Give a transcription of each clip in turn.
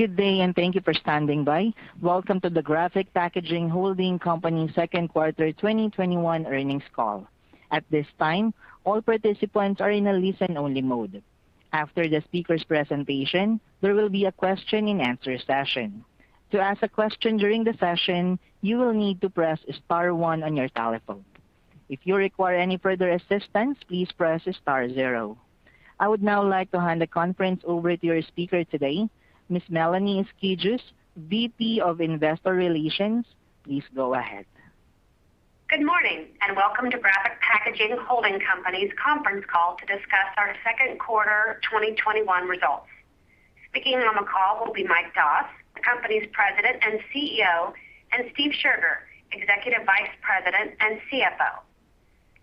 Good day, and thank you for standing by. Welcome to the Graphic Packaging Holding Company Q2 2021 earnings call. At this time, all participants are in a listen-only mode. After the speaker's presentation, there will be a question and answer session. To ask a question during the session, you will need to press star one on your telephone. If you require any further assistance, please press star 0. I would now like to hand the conference over to your speaker today, Ms. Melanie Skijus, Vice President of Investor Relations. Please go ahead. Good morning, and welcome to Graphic Packaging Holding Company's conference call to discuss our Q2 2021 results. Speaking on the call will be Michael Doss, the company's President and CEO, and Stephen Scherger, Executive Vice President and CFO.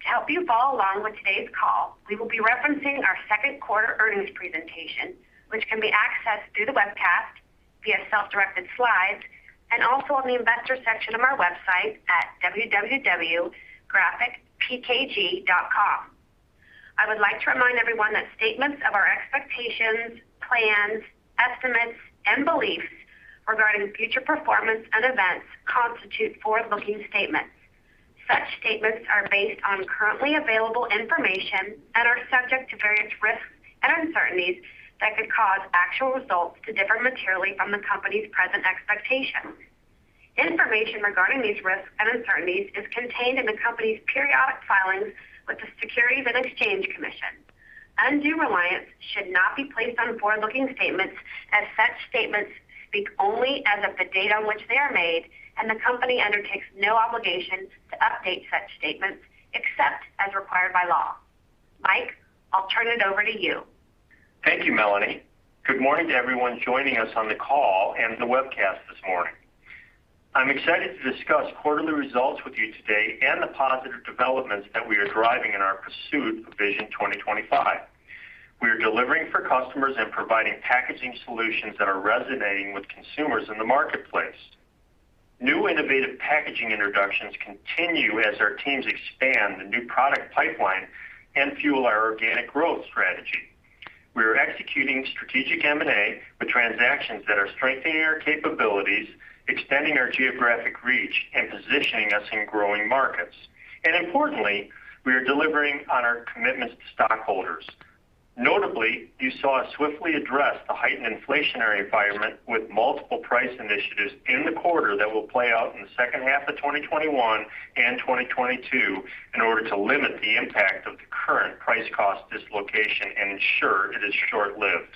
To help you follow along with today's call, we will be referencing our Q2 earnings presentation, which can be accessed through the webcast via self-directed slides and also on the investor section of our website at www.graphicpkg.com. I would like to remind everyone that statements of our expectations, plans, estimates, and beliefs regarding future performance and events constitute forward-looking statements. Such statements are based on currently available information and are subject to various risks and uncertainties that could cause actual results to differ materially from the company's present expectations. Information regarding these risks and uncertainties is contained in the company's periodic filings with the Securities and Exchange Commission. Undue reliance should not be placed on forward-looking statements, as such statements speak only as of the date on which they are made, and the company undertakes no obligation to update such statements except as required by law. Mike, I'll turn it over to you. Thank you, Melanie. Good morning to everyone joining us on the call and the webcast this morning. I'm excited to discuss quarterly results with you today and the positive developments that we are driving in our pursuit of Vision 2025. We are delivering for customers and providing packaging solutions that are resonating with consumers in the marketplace. New innovative packaging introductions continue as our teams expand the new product pipeline and fuel our organic growth strategy. We are executing strategic M&A with transactions that are strengthening our capabilities, extending our geographic reach, and positioning us in growing markets. Importantly, we are delivering on our commitments to stockholders. Notably, you saw us swiftly address the heightened inflationary environment with multiple price initiatives in the quarter that will play out in the second half of 2021 and 2022 in order to limit the impact of the current price cost dislocation and ensure it is short-lived.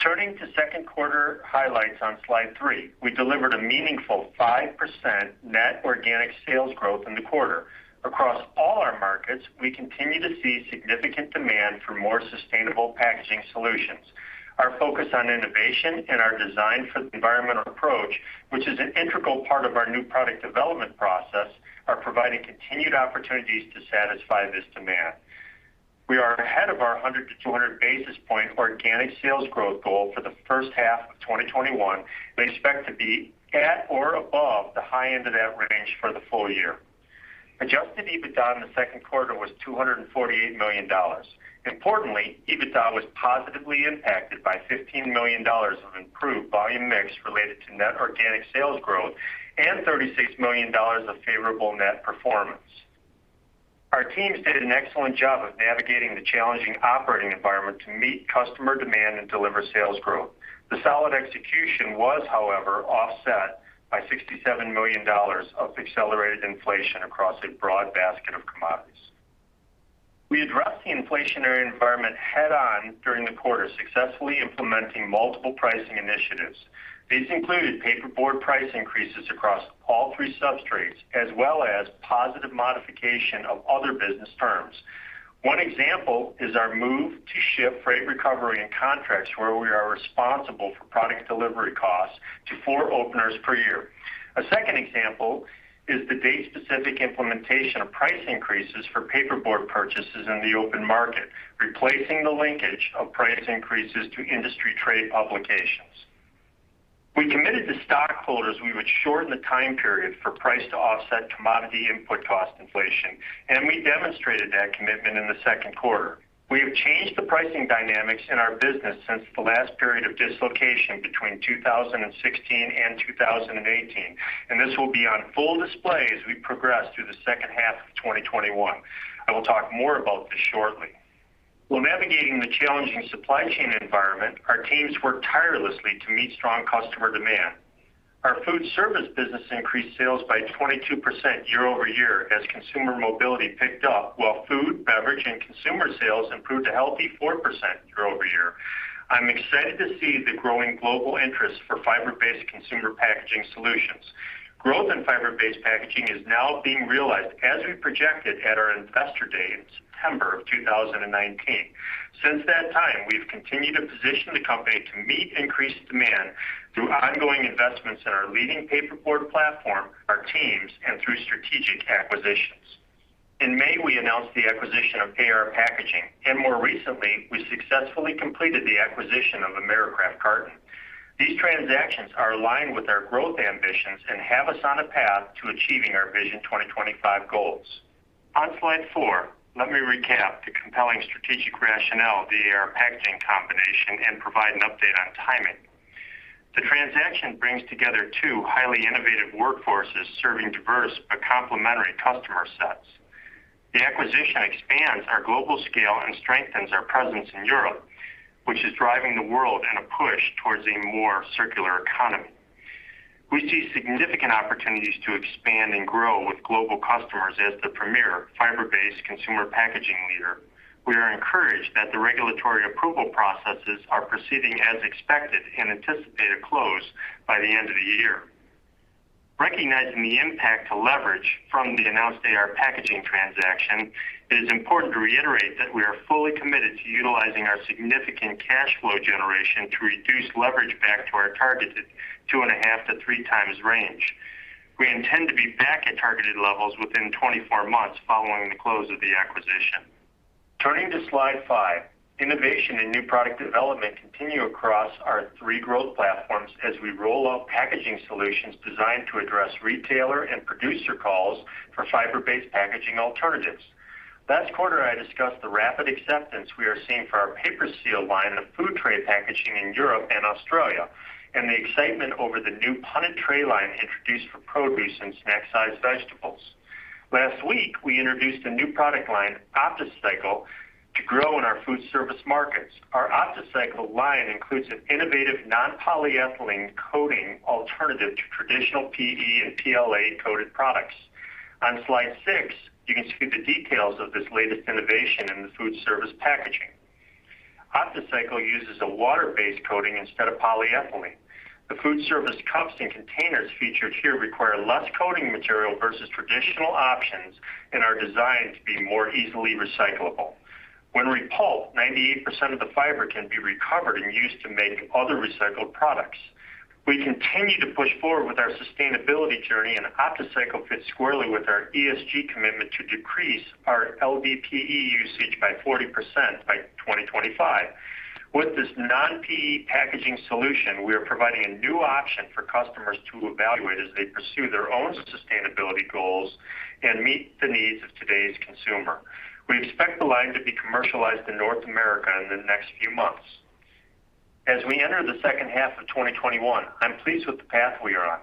Turning to Q2 highlights on slide three, we delivered a meaningful five percent net organic sales growth in the quarter. Across all our markets, we continue to see significant demand for more sustainable packaging solutions. Our focus on innovation and our Design for the Environment approach, which is an integral part of our new product development process, are providing continued opportunities to satisfy this demand. We are ahead of our 100-200 basis point organic sales growth goal for the first half of 2021. We expect to be at or above the high end of that range for the full year. Adjusted EBITDA in the Q2 was $248 million. Importantly, EBITDA was positively impacted by $15 million of improved volume mix related to net organic sales growth and $36 million of favorable net performance. Our teams did an excellent job of navigating the challenging operating environment to meet customer demand and deliver sales growth. The solid execution was, however, offset by $67 million of accelerated inflation across a broad basket of commodities. We addressed the inflationary environment head-on during the quarter, successfully implementing multiple pricing initiatives. These included paperboard price increases across all three substrates, as well as positive modification of other business terms. One example is our move to ship freight recovery and contracts where we are responsible for product delivery costs to four openers per year. A second example is the date-specific implementation of price increases for paperboard purchases in the open market, replacing the linkage of price increases to industry trade publications. We committed to stockholders we would shorten the time period for price to offset commodity input cost inflation, and we demonstrated that commitment in the Q2. We have changed the pricing dynamics in our business since the last period of dislocation between 2016 and 2018, and this will be on full display as we progress through the second half of 2021. I will talk more about this shortly. While navigating the challenging supply chain environment, our teams worked tirelessly to meet strong customer demand. Our food service business increased sales by 22% year-over-year as consumer mobility picked up while food, beverage, and consumer sales improved a healthy four percent year-over-year. I'm excited to see the growing global interest for fiber-based consumer packaging solutions. Growth in fiber-based packaging is now being realized as we projected at our investor day in September of 2019. Since that time, we've continued to position the company to meet increased demand through ongoing investments in our leading paperboard platform, our teams, and through strategic acquisitions. In May, we announced the acquisition of AR Packaging, and more recently, we successfully completed the acquisition of Americraft Carton. These transactions are aligned with our growth ambitions and have us on a path to achieving our Vision 2025 goals. On slide four, let me recap the compelling strategic rationale of the AR Packaging combination and provide an update on timing. The transaction brings together two highly innovative workforces serving diverse but complementary customer sets. The acquisition expands our global scale and strengthens our presence in Europe, which is driving the world in a push towards a more circular economy. We see significant opportunities to expand and grow with global customers as the premier fiber-based consumer packaging leader. We are encouraged that the regulatory approval processes are proceeding as expected and anticipate a close by the end of the year. Recognizing the impact to leverage from the announced AR Packaging transaction, it is important to reiterate that we are fully committed to utilizing our significant cash flow generation to reduce leverage back to our targeted 2.5x-3x range. We intend to be back at targeted levels within 24 months following the close of the acquisition. Turning to slide five, innovation and new product development continue across our three growth platforms as we roll out packaging solutions designed to address retailer and producer calls for fiber-based packaging alternatives. Last quarter, I discussed the rapid acceptance we are seeing for our PaperSeal line of food tray packaging in Europe and Australia, and the excitement over the new ProducePack Punnet line introduced for produce and snack-sized vegetables. Last week, we introduced a new product line, OptiCycle, to grow in our food service markets. Our OptiCycle line includes an innovative non-polyethylene coating alternative to traditional PE and PLA-coated products. On slide six, you can see the details of this latest innovation in the food service packaging. OptiCycle uses a water-based coating instead of polyethylene. The food service cups and containers featured here require less coating material versus traditional options and are designed to be more easily recyclable. When repulped, 98% of the fiber can be recovered and used to make other recycled products. We continue to push forward with our sustainability journey, and OptiCycle fits squarely with our ESG commitment to decrease our LDPE usage by 40% by 2025. With this non-PE packaging solution, we are providing a new option for customers to evaluate as they pursue their own sustainability goals and meet the needs of today's consumer. We expect the line to be commercialized in North America in the next few months. As we enter the second half of 2021, I'm pleased with the path we are on.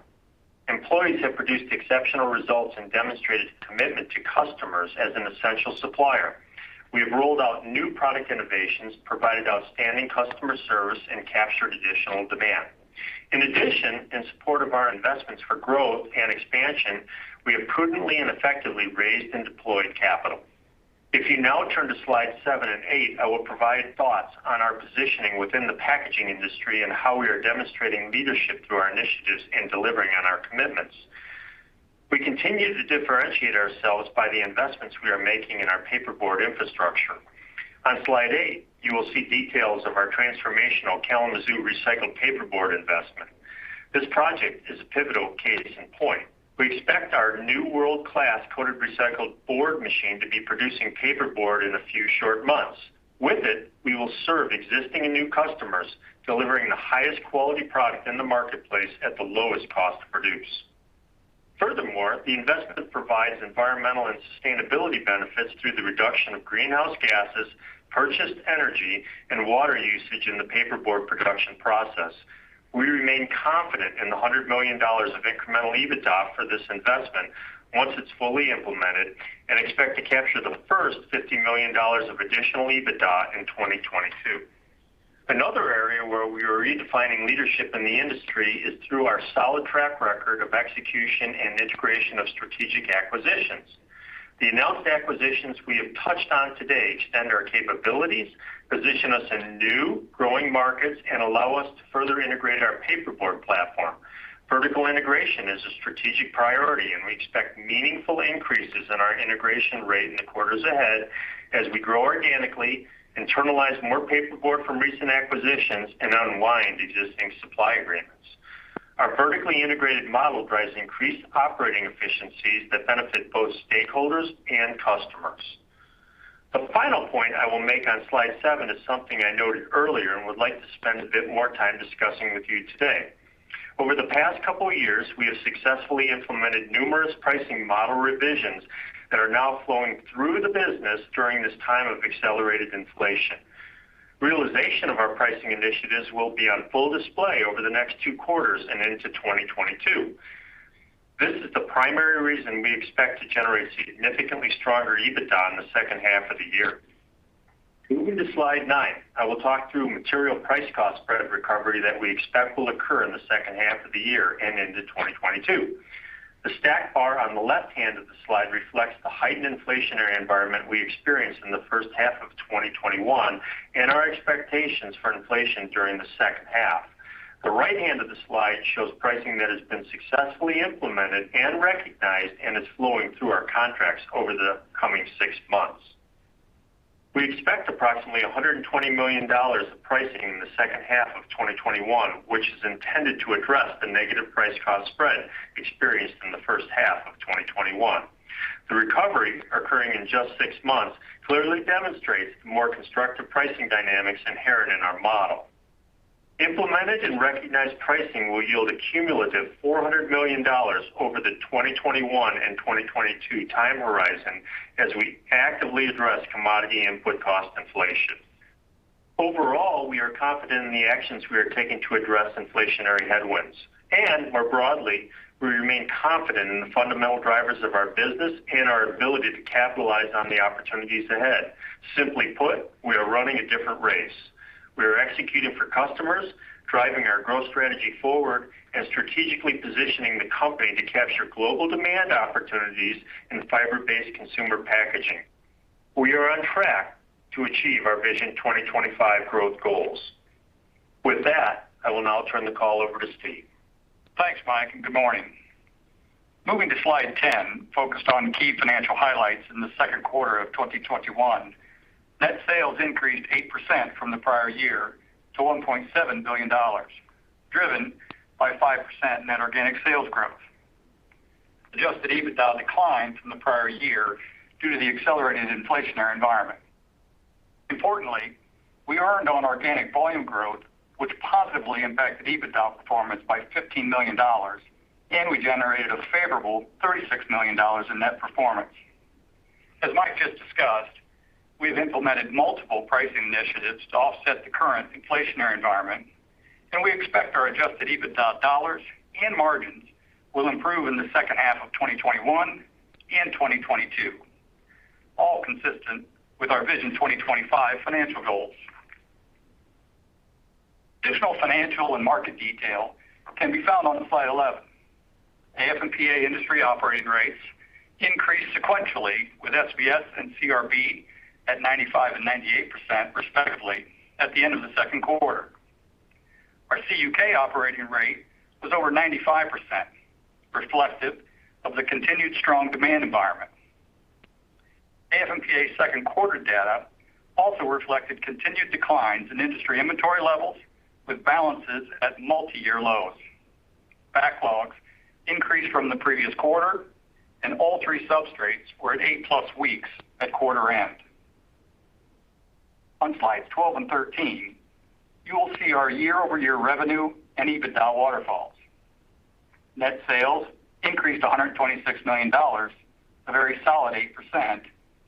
Employees have produced exceptional results and demonstrated commitment to customers as an essential supplier. We have rolled out new product innovations, provided outstanding customer service, and captured additional demand. In addition, in support of our investments for growth and expansion, we have prudently and effectively raised and deployed capital. If you now turn to slides seven and eight, I will provide thoughts on our positioning within the packaging industry and how we are demonstrating leadership through our initiatives and delivering on our commitments. We continue to differentiate ourselves by the investments we are making in our paperboard infrastructure. On slide eight, you will see details of our transformational Kalamazoo recycled paperboard investment. This project is a pivotal case in point. We expect our new world-class coated recycled board machine to be producing paperboard in a few short months. With it, we will serve existing and new customers, delivering the highest quality product in the marketplace at the lowest cost to produce. Furthermore, the investment provides environmental and sustainability benefits through the reduction of greenhouse gases, purchased energy, and water usage in the paperboard production process. We remain confident in the $100 million of incremental EBITDA for this investment once it's fully implemented and expect to capture the first $50 million of additional EBITDA in 2022. Another area where we are redefining leadership in the industry is through our solid track record of execution and integration of strategic acquisitions. The announced acquisitions we have touched on today extend our capabilities, position us in new, growing markets, and allow us to further integrate our paperboard platform. Vertical integration is a strategic priority. We expect meaningful increases in our integration rate in the quarters ahead as we grow organically, internalize more paperboard from recent acquisitions, and unwind existing supply agreements. Our vertically integrated model drives increased operating efficiencies that benefit both stakeholders and customers. The final point I will make on slide seven is something I noted earlier and would like to spend a bit more time discussing with you today. Over the past couple of years, we have successfully implemented numerous pricing model revisions that are now flowing through the business during this time of accelerated inflation. Realization of our pricing initiatives will be on full display over the next Q2 and into 2022. This is the primary reason we expect to generate significantly stronger EBITDA in the second half of the year. Moving to slide nine, I will talk through material price-cost spread recovery that we expect will occur in the second half of the year and into 2022. The stacked bar on the left hand of the slide reflects the heightened inflationary environment we experienced in the first half of 2021 and our expectations for inflation during the second half. The right hand of the slide shows pricing that has been successfully implemented and recognized and is flowing through our contracts over the coming six months. We expect approximately $120 million of pricing in the second half of 2021, which is intended to address the negative price-cost spread experienced in the first half of 2021. The recovery occurring in just six months clearly demonstrates the more constructive pricing dynamics inherent in our model. Implemented and recognized pricing will yield a cumulative $400 million over the 2021 and 2022 time horizon as we actively address commodity input cost inflation. Overall, we are confident in the actions we are taking to address inflationary headwinds. More broadly, we remain confident in the fundamental drivers of our business and our ability to capitalize on the opportunities ahead. Simply put, we are running a different race. We are executing for customers, driving our growth strategy forward, and strategically positioning the company to capture global demand opportunities in fiber-based consumer packaging. We are on track to achieve our Vision 2025 growth goals. With that, I will now turn the call over to Steve. Thanks, Mike. Good morning. Moving to slide 10, focused on key financial highlights in theQ2 of 2021. Net sales increased eight percent from the prior year to $1.7 billion, driven by five percent net organic sales growth. Adjusted EBITDA declined from the prior year due to the accelerated inflationary environment. Importantly, we earned on organic volume growth, which positively impacted EBITDA performance by $15 million, and we generated a favorable $36 million in net performance. As Mike just discussed, we have implemented multiple pricing initiatives to offset the current inflationary environment, and we expect our adjusted EBITDA dollars and margins will improve in the second half of 2021 and 2022, all consistent with our Vision 2025 financial goals. Additional financial and market detail can be found on slide 11. AF&PA industry operating rates increased sequentially with SBS and CRB at 95% and 98%, respectively, at the end of the second quarter. Our CUK operating rate was over 95%, reflective of the continued strong demand environment. AF&PA second quarter data also reflected continued declines in industry inventory levels with balances at multi-year lows. Backlogs increased from the previous quarter, and all three substrates were at eight plus weeks at quarter end. On slides 12 and 13, you will see our year-over-year revenue and EBITDA waterfalls. Net sales increased to $126 million, a very solid eight percent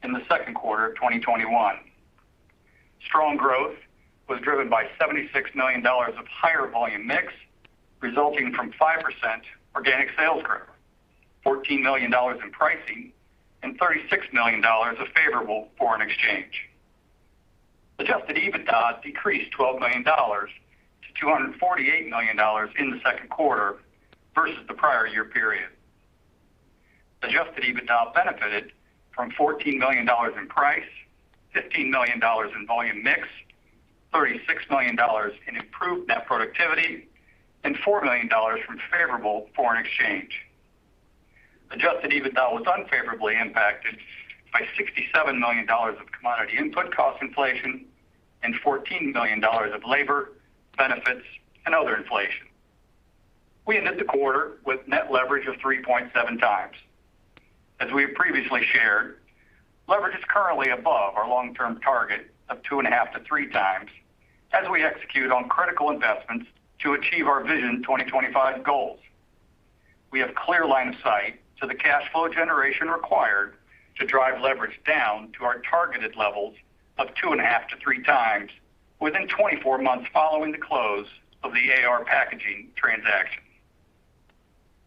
in the Q2 of 2021. Strong growth was driven by $76 million of higher volume mix, resulting from five percent organic sales growth, $14 million in pricing, and $36 million of favorable foreign exchange. Adjusted EBITDA decreased $12 million - $248 million in the Q2 versus the prior year period. Adjusted EBITDA benefited from $14 million in price, $15 million in volume mix, $36 million in improved net productivity, and $4 million from favorable foreign exchange. Adjusted EBITDA was unfavorably impacted by $67 million of commodity input cost inflation and $14 million of labor, benefits, and other inflation. We ended the quarter with net leverage of 3.7x. As we have previously shared, leverage is currently above our long-term target of 2.5x-3x as we execute on critical investments to achieve our Vision 2025 goals. We have clear line of sight to the cash flow generation required to drive leverage down to our targeted levels of 2.5x-3x within 24 months following the close of the AR Packaging transaction.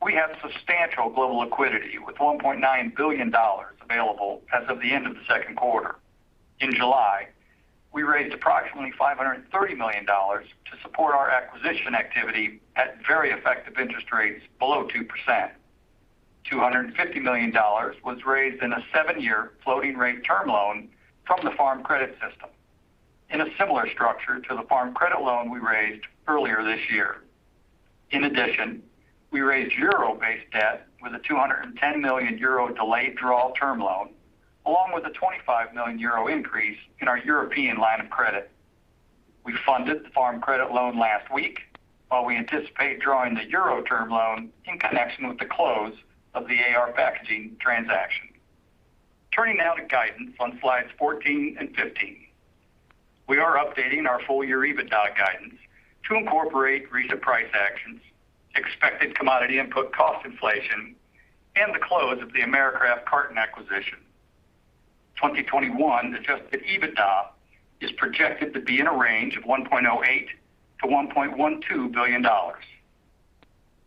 We have substantial global liquidity with $1.9 billion available as of the end of the Q2. In July, we raised approximately $530 million to support our acquisition activity at very effective interest rates below two percent. $250 million was raised in aseven-year floating rate term loan from the Farm Credit System in a similar structure to the Farm Credit loan we raised earlier this year. In addition, we raised euro-based debt with a 210 million euro delayed draw term loan, along with a 25 million euro increase in our European line of credit. We funded the Farm Credit loan last week, while we anticipate drawing the euro term loan in connection with the close of the AR Packaging transaction. Turning now to guidance on slides 14 and 15. We are updating our full-year EBITDA guidance to incorporate recent price actions, expected commodity input cost inflation, and the close of the Americraft Carton acquisition. 2021 adjusted EBITDA is projected to be in a range of $1.08 billion-$1.12 billion.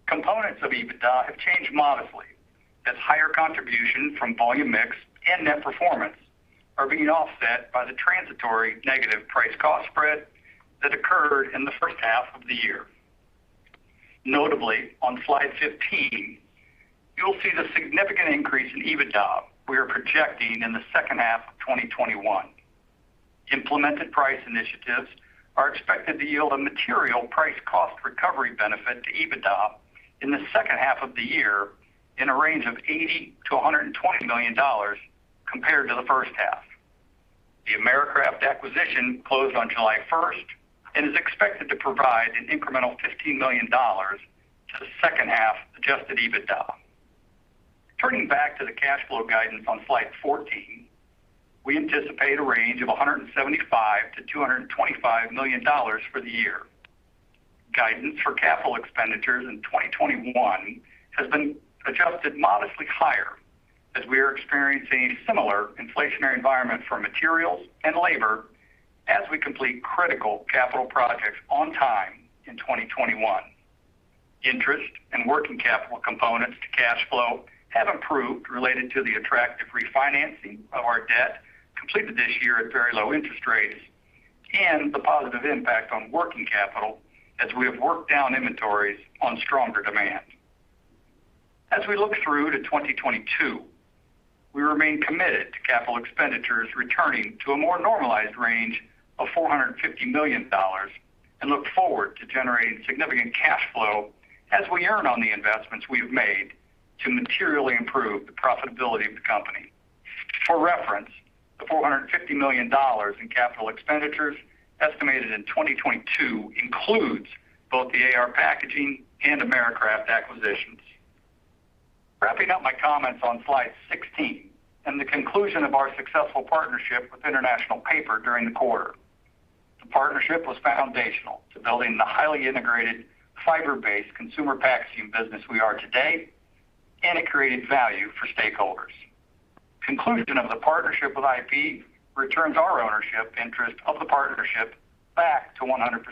Components of EBITDA have changed modestly as higher contribution from volume mix and net performance are being offset by the transitory negative price cost spread that occurred in the first half of the year. Notably, on slide 15, you'll see the significant increase in EBITDA we are projecting in the second half of 2021. Implemented price initiatives are expected to yield a material price cost recovery benefit to EBITDA in the second half of the year in a range of $80 million-$120 million compared to the first half. The Americraft acquisition closed on July 1st and is expected to provide an incremental $15 million to the second half adjusted EBITDA. Turning back to the cash flow guidance on slide 14, we anticipate a range of $175 million-$225 million for the year. Guidance for capital expenditures in 2021 has been adjusted modestly higher as we are experiencing similar inflationary environment for materials and labor as we complete critical capital projects on time in 2021. Interest and working capital components to cash flow have improved related to the attractive refinancing of our debt completed this year at very low interest rates, and the positive impact on working capital as we have worked down inventories on stronger demand. As we look through to 2022, we remain committed to capital expenditures returning to a more normalized range of $450 million, and look forward to generating significant cash flow as we earn on the investments we have made to materially improve the profitability of the company. For reference, the $450 million in capital expenditures estimated in 2022 includes both the AR Packaging and Americraft acquisitions. Wrapping up my comments on slide 16, and the conclusion of our successful partnership with International Paper during the quarter. The partnership was foundational to building the highly integrated fiber-based consumer packaging business we are today, and it created value for stakeholders. Conclusion of the partnership with IP returns our ownership interest of the partnership back to 100%.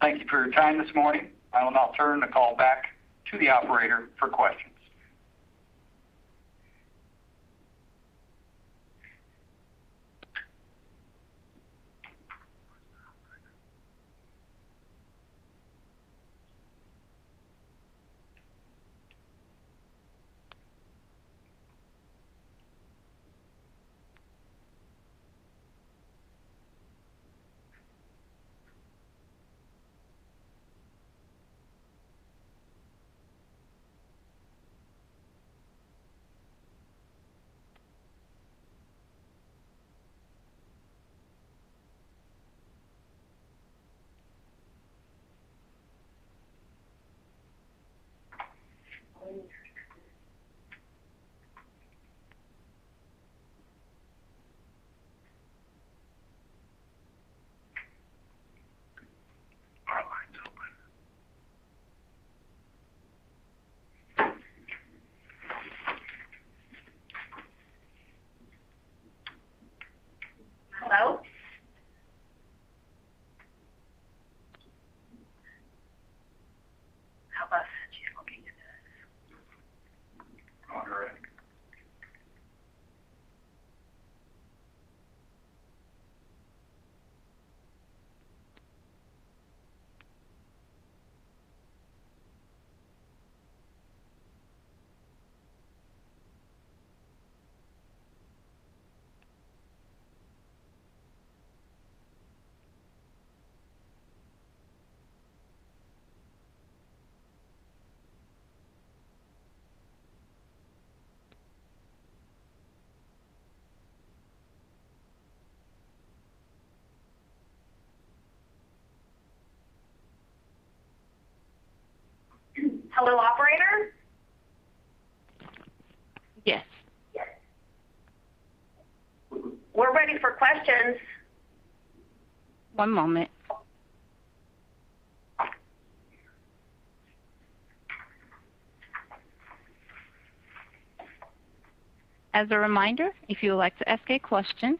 Thank you for your time this morning. I will now turn the call back to the operator for questions. one moment. As a reminder, if you would like to ask a question,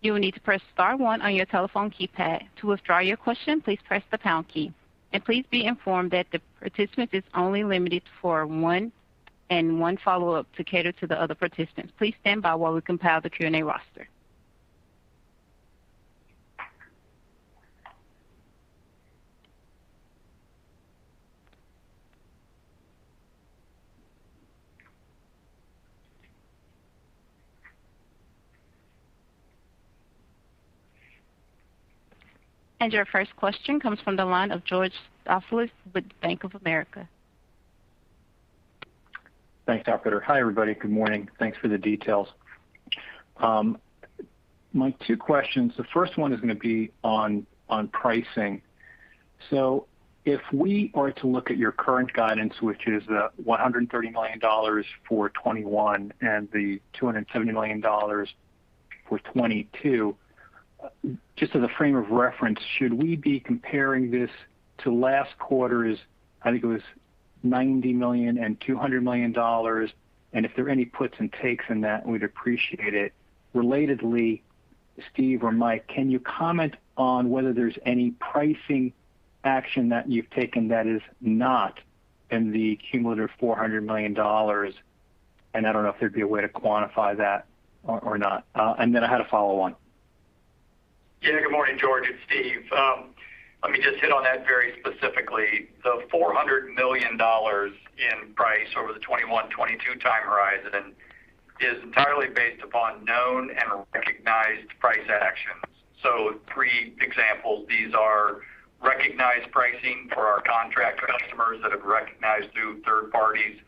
you will need to press star one on your telephone keypad. To withdraw your question, please press the pound key. Please be informed that the participant is only limited for one and one follow-up to cater to the other participants. Please stand by while we compile the Q&A roster. Your first question comes from the line of George Staphos with Bank of America. Thanks, operator. Hi, everybody. Good morning. Thanks for the details. My two questions, the first one is going to be on pricing. If we are to look at your current guidance, which is the $130 million for 2021 and the $270 million for 2022, just as a frame of reference, should we be comparing this to last quarter's, I think it was $90 million and $200 million? If there are any puts and takes in that, we'd appreciate it. Relatedly, Steve or Mike, can you comment on whether there's any pricing action that you've taken that is not in the cumulative $400 million? I don't know if there'd be a way to quantify that or not. I had a follow-on. Good morning, George. It's Steve. Let me just hit on that very specifically. The $400 million in price over the 2021, 2022 time horizon is entirely based upon known and recognized price actions. three examples. These are recognized pricing for our contract customers that have recognized through third parties.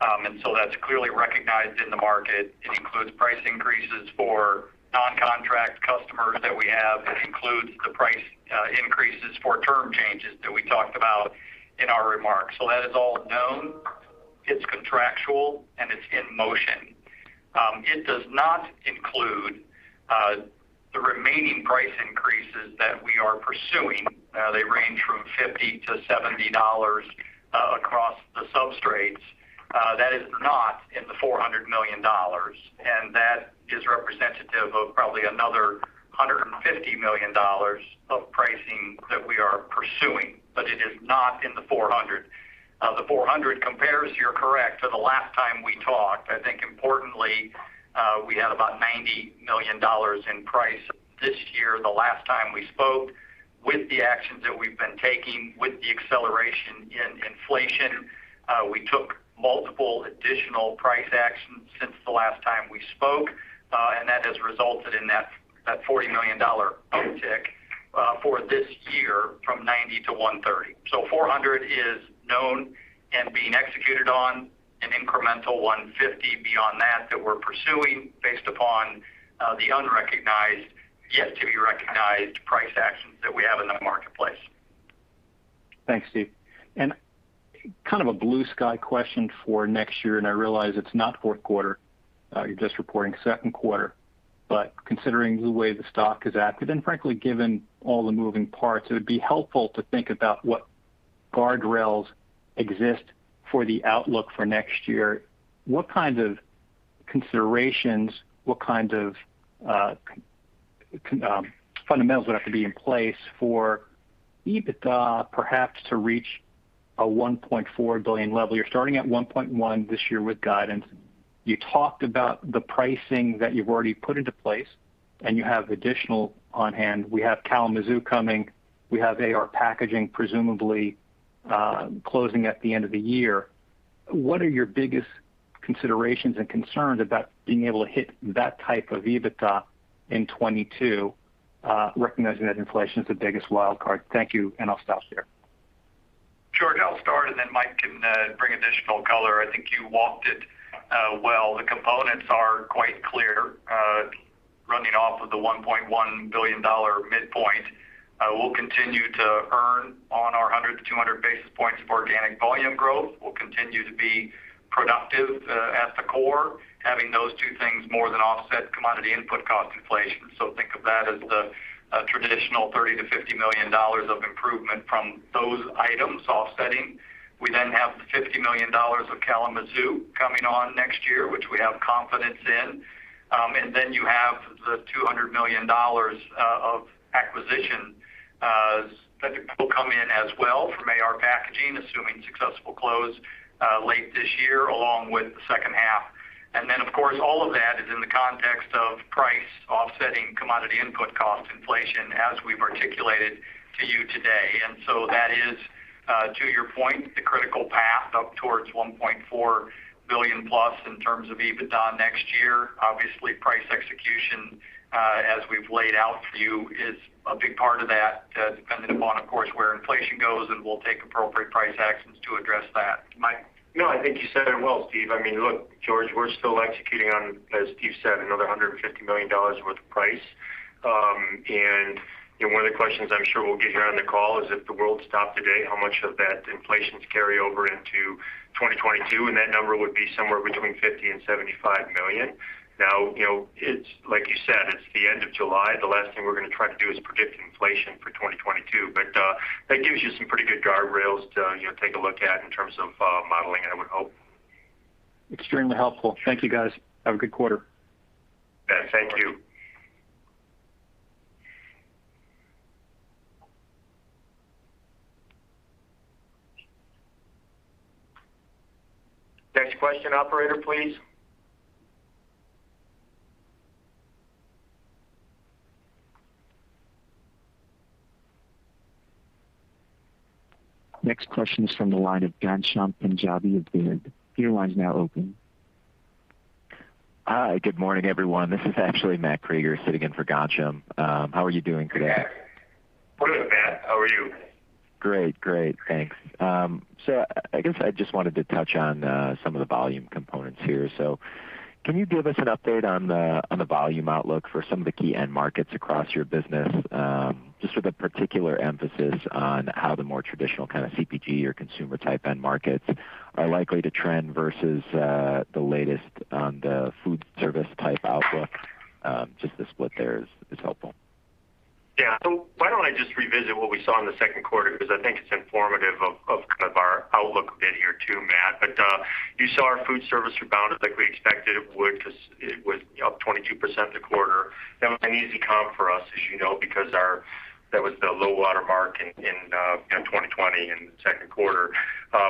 That's clearly recognized in the market. It includes price increases for term changes that we talked about in our remarks. That is all known, it's contractual, and it's in motion. It does not include the remaining price increases that we are pursuing. They range from $50-$70 across the substrates. That is not in the $400 million. That is representative of probably another $150 million of pricing that we are pursuing, but it is not in the $400. The $400 compares, you're correct, to the last time we talked. I think importantly, we had about $90 million in price this year, the last time we spoke. With the actions that we've been taking, with the acceleration in inflation, we took multiple additional price actions since the last time we spoke. That has resulted in that $40 million uptick for this year from $90 million to $130 million. $400 million is known and being executed on, an incremental $150 million beyond that we're pursuing based upon the unrecognized, yet-to-be-recognized price actions that we have in the marketplace. Thanks, Steve. Kind of a blue sky question for next year, and I realize it's not fourth quarter, you're just reporting Q2. Considering the way the stock has acted, and frankly, given all the moving parts, it would be helpful to think about what guardrails exist for the outlook for next year. What kind of considerations, what kind of fundamentals would have to be in place for EBITDA perhaps to reach a $1.4 billion level? You're starting at $1.1 this year with guidance. You talked about the pricing that you've already put into place, and you have additional on hand. We have Kalamazoo coming. We have AR Packaging presumably closing at the end of the year. What are your biggest considerations and concerns about being able to hit that type of EBITDA in 2022, recognizing that inflation is the biggest wild card? Thank you. I'll stop there. Sure. I'll start and then Mike can bring additional color. I think you walked it well. The components are quite clear. Running off of the $1.1 billion midpoint, we'll continue to earn on our 100 - 200 basis points of organic volume growth. We'll continue to be productive at the core, having those two things more than offset commodity input cost inflation. Think of that as the traditional $30 million-$50 million of improvement from those items offsetting. We have the $50 million of Kalamazoo coming on next year, which we have confidence in. You have the $200 million of acquisition that will come in as well from AR Packaging, assuming successful close late this year, along with the second half. Of course, all of that is in the context of price offsetting commodity input cost inflation as we've articulated to you today. That is, to your point, the critical path up towards $1.4 billion+ in terms of EBITDA next year. Obviously, price execution, as we've laid out for you, is a big part of that, depending upon, of course, where inflation goes, and we'll take appropriate price actions to address that. Mike? No, I think you said it well, Steve. Look, George, we're still executing on, as Steve said, another $150 million worth of price. One of the questions I'm sure we'll get here on the call is if the world stopped today, how much of that inflation's carry over into 2022? That number would be somewhere between $50 million and $75 million. Now, like you said, it's the end of July. The last thing we're going to try to do is predict inflation for 2022. That gives you some pretty good guardrails to take a look at in terms of modeling, I would hope. Extremely helpful. Thank you, guys. Have a good quarter. Yeah, thank you. Next question, operator, please. Next question is from the line of Ghansham Panjabi of Baird. Your line is now open. Hi, good morning, everyone. This is actually Matthew Krueger sitting in for Ghansham Panjabi. How are you doing today? Good, Matt. How are you? Great. Thanks. I guess I just wanted to touch on some of the volume components here. Can you give us an update on the volume outlook for some of the key end markets across your business, just with a particular emphasis on how the more traditional kind of CPG or consumer type end markets are likely to trend versus the latest on the food service type outlook? Just the split there is helpful. Yeah. Why don't I just revisit what we saw in the Q2, because I think it's informative of kind of our outlook a bit here too, Matt. You saw our food service rebounded like we expected it would because it was up 22% in the quarter. That was an easy comp for us, as you know, because that was the low water mark in 2020 in the Q2.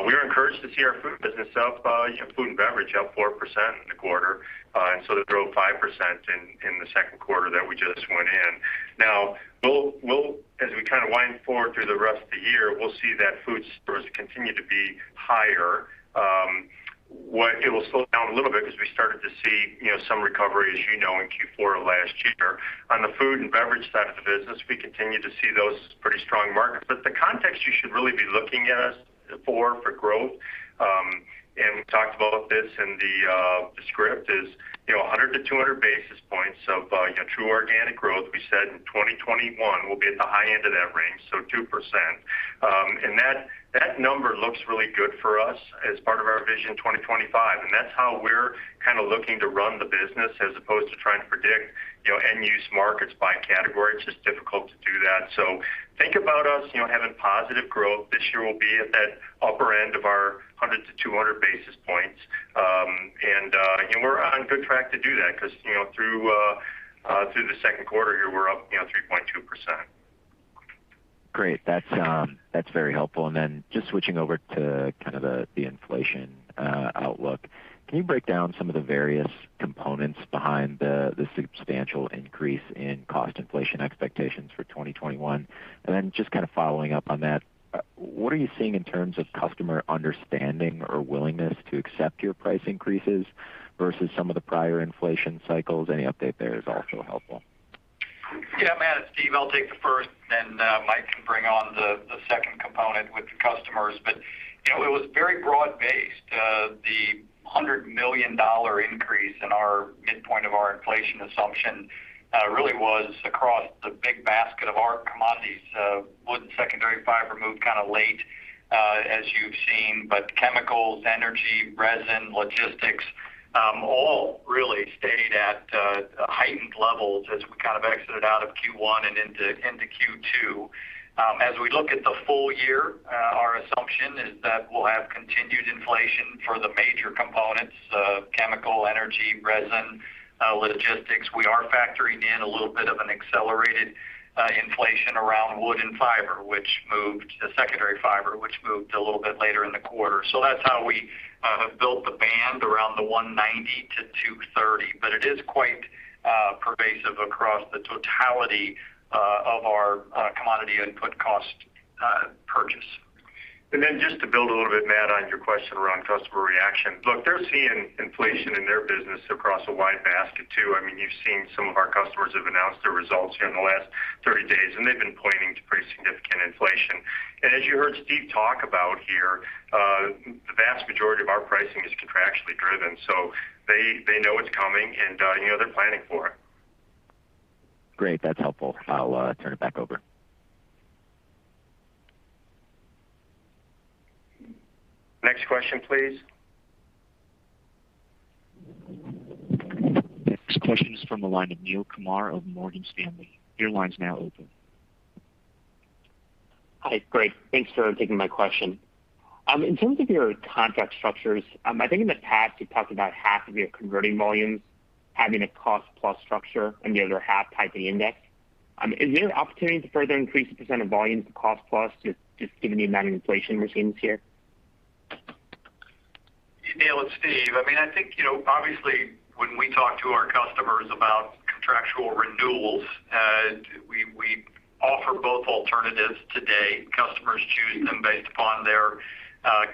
We were encouraged to see our food business up, food and beverage up four percent in the quarter. They grew five percent in the Q2 that we just went in. Now, as we kind of wind forward through the rest of the year, we'll see that food service continue to be higher. It'll slow down a little bit because we started to see some recovery, as you know, in Q4 of last year. On the food and beverage side of the business, we continue to see those pretty strong markets. The context you should really be looking at is. For growth, and we talked about this in the script, is 100-200 basis points of true organic growth. We said in 2021, we'll be at the high end of that range, so two percent. That number looks really good for us as part of our Vision 2025, and that's how we're kind of looking to run the business as opposed to trying to predict end-use markets by category. It's just difficult to do that. Think about us having positive growth. This year, we'll be at that upper end of our 100-200 basis points. We're on good track to do that because through the Q2 here, we're up 3.2%. Great. That's very helpful. Just switching over to kind of the inflation outlook, can you break down some of the various components behind the substantial increase in cost inflation expectations for 2021? Just kind of following up on that, what are you seeing in terms of customer understanding or willingness to accept your price increases versus some of the prior inflation cycles? Any update there is also helpful. Yeah, Matt, it's Steve. I'll take the first, then Mike can bring on the second component with the customers. It was very broad-based. The $100 million increase in our midpoint of our inflation assumption really was across the big basket of our commodities. Wood and secondary fiber moved kind of late, as you've seen, but chemicals, energy, resin, logistics, all really stayed at heightened levels as we kind of exited out of Q1 and into Q2. As we look at the full year, our assumption is that we'll have continued inflation for the major components of chemical, energy, resin, logistics. We are factoring in a little bit of an accelerated inflation around wood and fiber, which moved to secondary fiber, which moved a little bit later in the quarter. That's how we have built the band around the $190 million-$230 million. It is quite pervasive across the totality of our commodity input cost purchase. Then just to build a little bit, Matt, on your question around customer reaction. Look, they're seeing inflation in their business across a wide basket too. You've seen some of our customers have announced their results here in the last 30 days, and they've been pointing to pretty significant inflation. As you heard Steve talk about here, the vast majority of our pricing is contractually driven, so they know it's coming, and they're planning for it. Great. That's helpful. I'll turn it back over. Next question, please. Next question is from the line of Neel Kumar of Morgan Stanley. Your line's now open. Hi. Great. Thanks for taking my question. In terms of your contract structures, I think in the past, you talked about half of your converting volumes having a cost-plus structure and the other half tying index. Is there an opportunity to further increase the percentage of volumes to cost-plus, just given the amount of inflation we're seeing here? Hey, Neel. It's Steve. I think obviously when we talk to our customers about contractual renewals, we offer both alternatives today. Customers choose them based upon their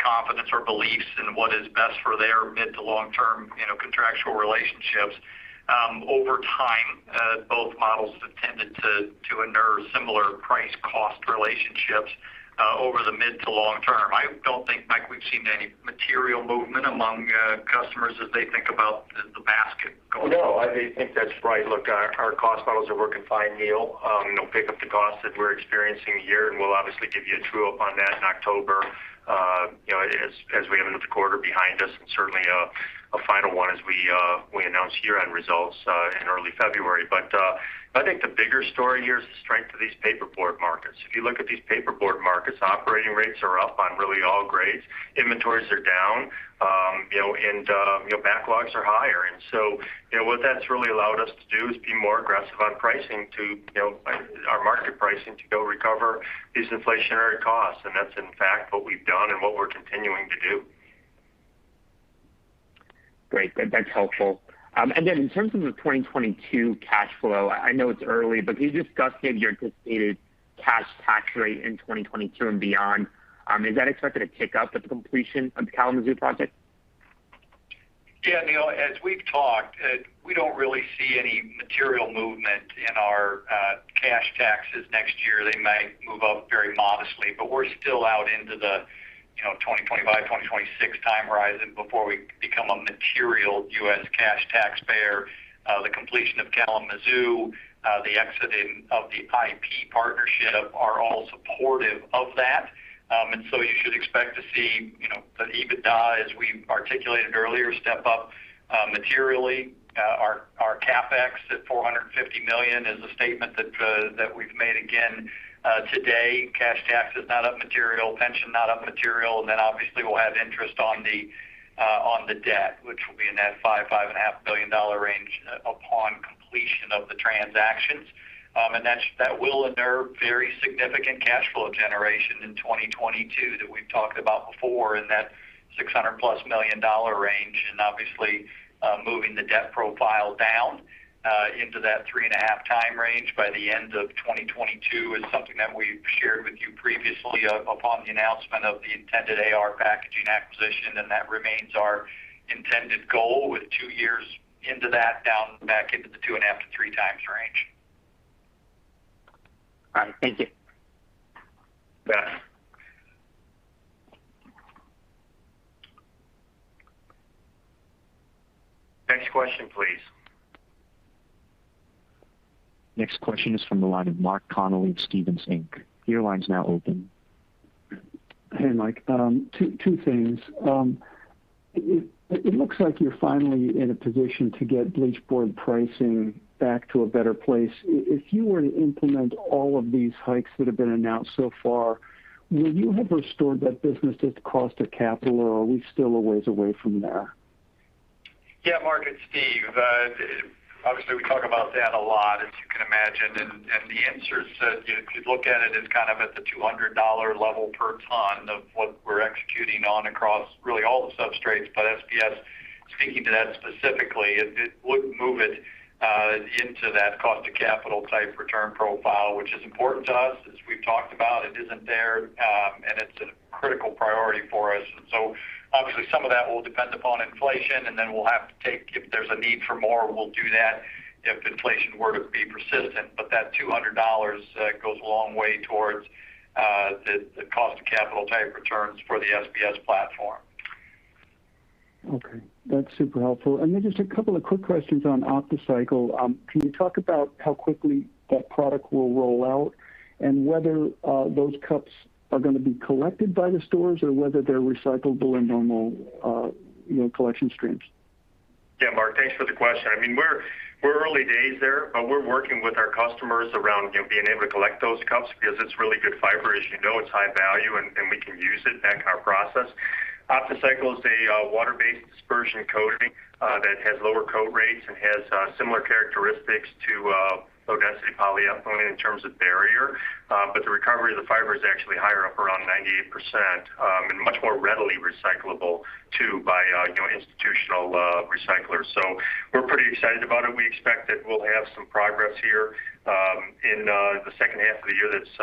confidence or beliefs in what is best for their mid to long-term contractual relationships. Over time, both models have tended to inure similar price cost relationships over the mid to long term. I don't think, Mike, we've seen any material movement among customers as they think about the basket going forward. No, I think that's right. Look, our cost models are working fine, Neel. They'll pick up the costs that we're experiencing here, and we'll obviously give you a true-up on that in October as we have another quarter behind us and certainly a final one as we announce year-end results in early February. I think the bigger story here is the strength of these paperboard markets. If you look at these paperboard markets, operating rates are up on really all grades. Inventories are down, and backlogs are higher. What that's really allowed us to do is be more aggressive on our market pricing to go recover these inflationary costs, and that's in fact what we've done and what we're continuing to do. Great. That's helpful. In terms of the 2022 cash flow, I know it's early, but can you just give your anticipated cash tax rate in 2022 and beyond? Is that expected to kick up with the completion of the Kalamazoo project? Yeah, Neel, as we've talked, we don't really see any material movement in our cash taxes next year. They might move up very modestly, we're still out into the 2025, 2026 time horizon before we become a material U.S. cash taxpayer. The completion of Kalamazoo, the exiting of the IP partnership are all supportive of that. You should expect to see the EBITDA, as we articulated earlier, step up materially. Our CapEx at $450 million is a statement that we've made again today. Cash tax is not up material, pension not up material, obviously we'll have interest on the debt, which will be in that $5 billion-$5.5 billion range upon completion of the transactions. That will inure very significant cash flow generation in 2022 that we've talked about before in that $600 million-plus range, and obviously moving the debt profile down into that 3.5x range by the end of 2022 is something that we've shared with you previously upon the announcement of the intended AR Packaging acquisition, and that remains our intended goal with two years into that down the back end. All right. Thank you. You bet. Next question, please. Next question is from the line of Mark Connelly of Stephens Inc. Your line's now open. Hey, Mike. two things. It looks like you're finally in a position to get bleach board pricing back to a better place. If you were to implement all of these hikes that have been announced so far, will you have restored that business at the cost of capital, or are we still a ways away from there? Yeah, Mark, it's Steve. Obviously, we talk about that a lot, as you can imagine, and the answer is that if you look at it as kind of at the $200 level per ton of what we're executing on across really all the substrates, but SBS, speaking to that specifically, it would move it into that cost to capital type return profile, which is important to us, as we've talked about. It isn't there, and it's a critical priority for us. Obviously, some of that will depend upon inflation, and then if there's a need for more, we'll do that if inflation were to be persistent. That $200 goes a long way towards the cost of capital type returns for the SBS platform. Okay. That's super helpful. Just a couple of quick questions on OptiCycle. Can you talk about how quickly that product will roll out and whether those cups are going to be collected by the stores or whether they're recyclable in normal collection streams? Yeah, Mark. Thanks for the question. We're early days there, but we're working with our customers around being able to collect those cups because it's really good fiber. As you know, it's high value, and we can use it back in our process. OptiCycle is a water-based dispersion coating that has lower coat rates and has similar characteristics to low-density polyethylene in terms of barrier. The recovery of the fiber is actually higher, up around 98%, and much more readily recyclable, too, by institutional recyclers. We're pretty excited about it. We expect that we'll have some progress here in the second half of the year that's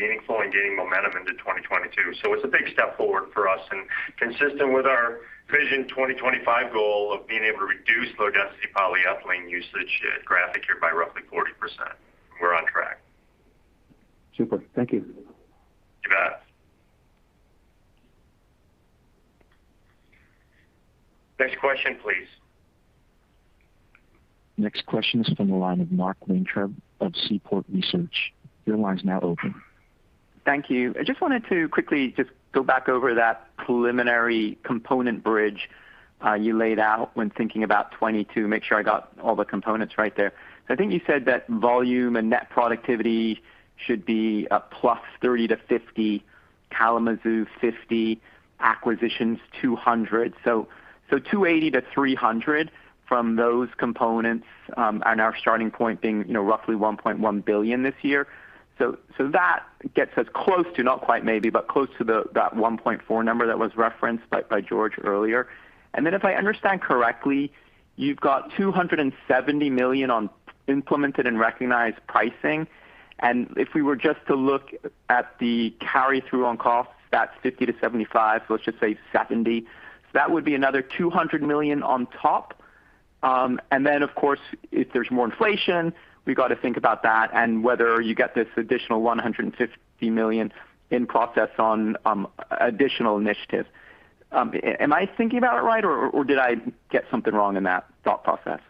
meaningful and gaining momentum into 2022. It's a big step forward for us and consistent with our Vision 2025 goal of being able to reduce low-density polyethylene usage at Graphic here by roughly 40%. We're on track. Super. Thank you. You bet. Next question, please. Next question is from the line of Mark Weintraub of Seaport Research. Your line's now open. Thank you. I just wanted to quickly just go back over that preliminary component bridge you laid out when thinking about 2022, make sure I got all the components right there. I think you said that volume and net productivity should be a +$30 million-$50 million, Kalamazoo $50 million, acquisitions $200 million. $280 million-$300 million from those components, and our starting point being roughly $1.1 billion this year. That gets us close to, not quite maybe, but close to that $1.4 billion number that was referenced by George earlier. If I understand correctly, you've got $270 million on implemented and recognized pricing, and if we were just to look at the carry-through on costs, that's $50 million-$75 million. Let's just say $70 million. That would be another $200 million on top. Of course, if there's more inflation, we've got to think about that and whether you get this additional $150 million in process on additional initiatives. Am I thinking about it right, or did I get something wrong in that thought process?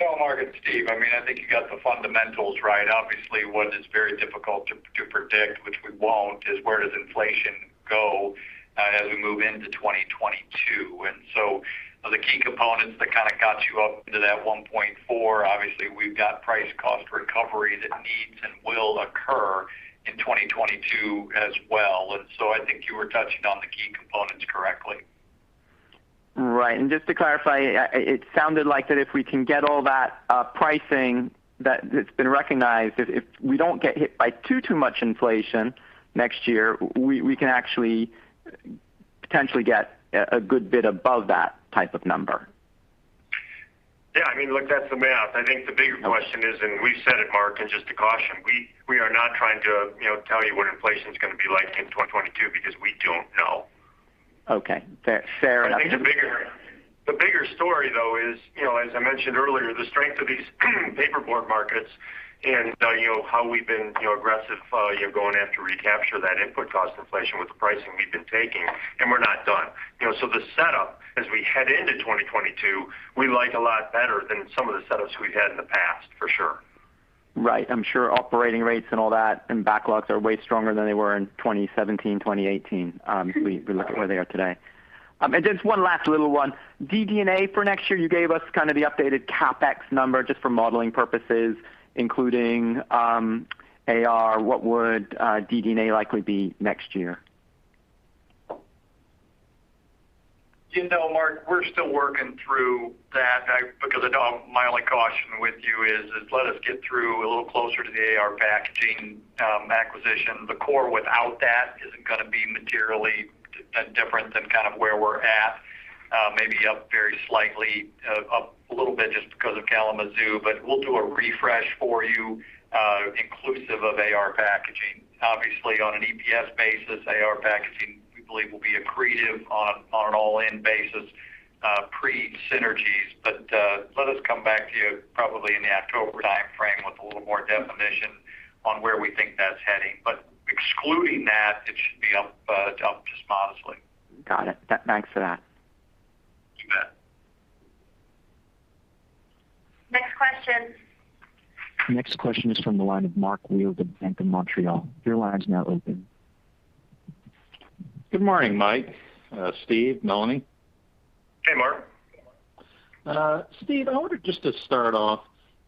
No, Mark, it's Steve. I think you got the fundamentals right. Obviously, what is very difficult to predict, which we won't, is where does inflation go as we move into 2022. The key components that kind of got you up into that 1.4, obviously, we've got price cost recovery that needs and will occur in 2022 as well. I think you were touching on the key components correctly. Right. Just to clarify, it sounded like that if we can get all that pricing that's been recognized, that if we don't get hit by too much inflation next year, we can actually potentially get a good bit above that type of number. Yeah. Look, that's the math. I think the bigger question is, and we've said it, Mark, and just to caution, we are not trying to tell you what inflation's going to be like in 2022 because we don't know. Okay. Fair enough. I think the bigger story, though, is, as I mentioned earlier, the strength of these paperboard markets and how we've been aggressive, going after recapture that input cost inflation with the pricing we've been taking, and we're not done. The setup as we head into 2022, we like a lot better than some of the setups we've had in the past, for sure. Right. I'm sure operating rates and all that, and backlogs are way stronger than they were in 2017, 2018. We look at where they are today. Just one last little one. DD&A for next year, you gave us kind of the updated CapEx number just for modeling purposes, including AR. What would DD&A likely be next year? Mark, we're still working through that. Because I know my only caution with you is let us get through a little closer to the AR Packaging acquisition. The core without that isn't going to be materially different than kind of where we're at. Maybe up very slightly, up a little bit just because of Kalamazoo. We'll do a refresh for you, inclusive of AR Packaging. Obviously, on an EPS basis, AR Packaging, we believe, will be accretive on an all-in basis, synergies. Let us come back to you probably in the October time frame with a little more definition on where we think that's heading. Excluding that, it should be up just modestly. Got it. Thanks for that. You bet. Next question. Next question is from the line of Mark Wilde of the BMO Capital Markets. Your line is now open. Good morning, Mike, Steve, Melanie. Hey, Mark. Steve, I wanted just to start off,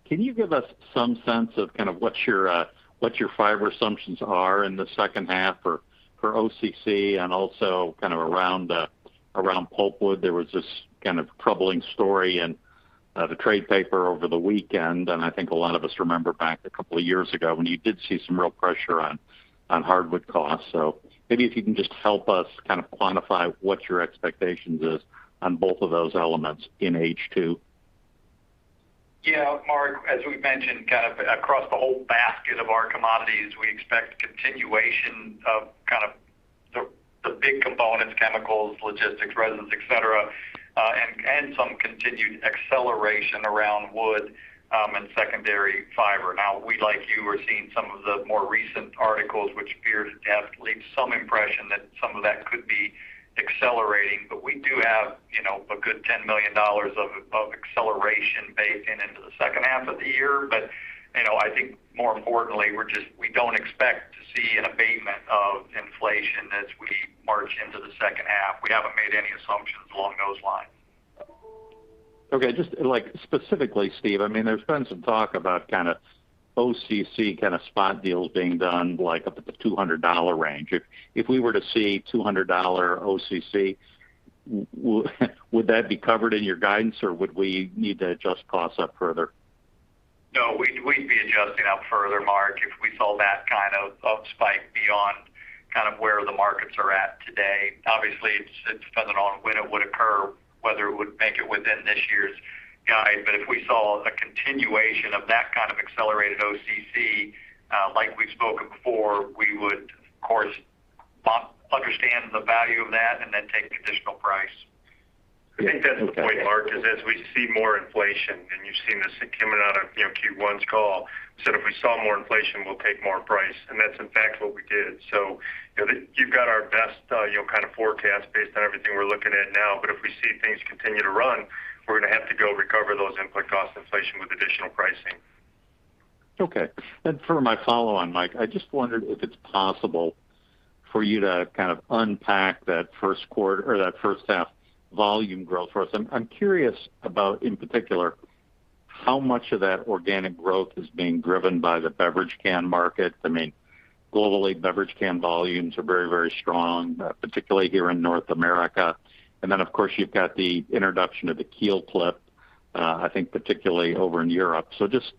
can you give us some sense of kind of what your fiber assumptions are in the second half for OCC and also kind of around pulpwood? There was this kind of troubling story in the trade paper over the weekend, and I think a lot of us remember back two years ago when you did see some real pressure on hardwood costs. Maybe if you can just help us kind of quantify what your expectations are on both of those elements in H2. Yeah. Mark, as we've mentioned, kind of across the whole basket of our commodities, we expect continuation of kind of the big components, chemicals, logistics, resins, et cetera, and some continued acceleration around wood and secondary fiber. We, like you, were seeing some of the more recent articles which appear to definitely leave some impression that some of that could be accelerating. We do have a good $10 million of acceleration baked in into the second half of the year. I think more importantly, we don't expect to see an abatement of inflation as we march into the second half. We haven't made any assumptions along those lines. Okay. Just like specifically, Stephen Scherger, I mean, there's been some talk about kind of OCC kind of spot deals being done like up at the $200 range. If we were to see $200 OCC, would that be covered in your guidance, or would we need to adjust costs up further? No, we'd be adjusting up further, Mark, if we saw that kind of spike beyond kind of where the markets are at today. Obviously, it depends on when it would occur, whether it would make it within this year's guide. If we saw a continuation of that kind of accelerated OCC, like we've spoken before, we would of course understand the value of that and then take additional price. I think that's the point, Mark, is as we see more inflation, and you've seen this coming out of Q1's call, said if we saw more inflation, we'll take more price, and that's in fact what we did. You've got our best kind of forecast based on everything we're looking at now. If we see things continue to run, we're going to have to go recover those input cost inflation with additional pricing. Okay. For my follow on, Mike, I just wondered if it's possible for you to kind of unpack that first half volume growth for us. I'm curious about, in particular, how much of that organic growth is being driven by the beverage can market. I mean, globally, beverage can volumes are very, very strong, particularly here in North America. Then, of course, you've got the introduction of the KeelClip, I think particularly over in Europe. Just